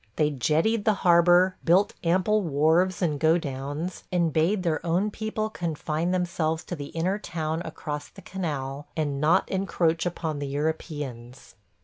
They jettied the harbor, built ample wharves and go downs, and bade their own people confine themselves to the inner town across the canal, and not encroach upon the Europeans.